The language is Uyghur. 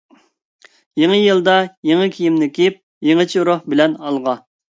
يېڭى يىلدا يېڭى كىيىمنى كىيىپ، يېڭىچە روھ بىلەن ئالغا!